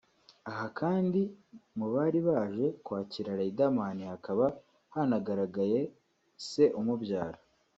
Aha kandi mu bari baje kwakira Riderman hakaba hanagaragaye se umubyara